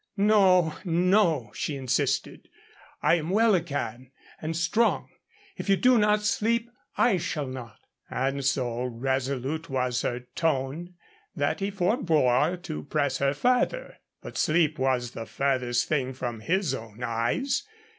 "No, no," she insisted, "I am well again and strong. If you do not sleep I shall not." And so resolute was her tone that he forbore to press her further. But sleep was the furthest from his own eyes.